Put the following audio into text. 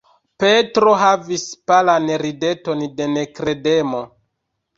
Petro havis palan rideton de nekredemo.